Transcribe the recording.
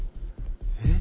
えっ？